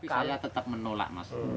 saya tetap menolak mas